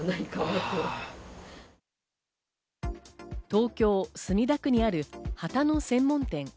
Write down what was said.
東京・墨田区にある旗の専門店。